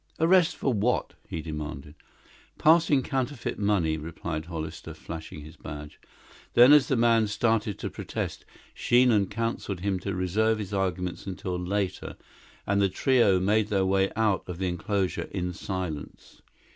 "Arrest for what?" he demanded. "Passing counterfeit money," replied Hollister, flashing his badge. Then, as the man started to protest, Sheehan counseled him to reserve his arguments until later, and the trio made their way out of the inclosure in silence.